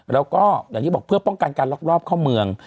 แล้วก็อย่างที่บอกเพื่อป้องกันการลักลอบเข้าเมือง